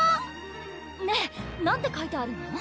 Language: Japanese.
ねぇ何て書いてあるの？